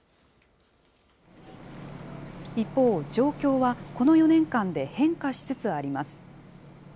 一方、状況はこの４年間で変化しつつあります。